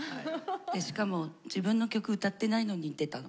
しかも自分の曲歌ってないのに出たの。